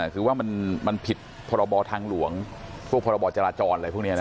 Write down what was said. คือว่ามันผิดพรบทางหลวงพวกพรบจราจรอะไรพวกนี้